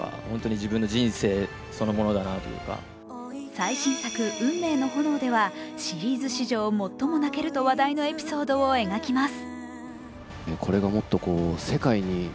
最新作「運命の炎」ではシリーズ史上最も泣けると話題のエピソードを描きます。